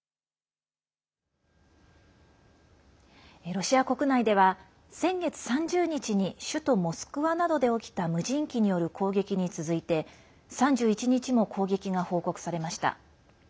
ロシア国内では先月３０日に首都モスクワなどで起きた無人機による攻撃に続いて３１日も攻撃が報告されました。